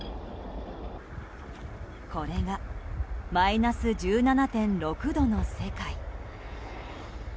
これがマイナス１７．６度の世界。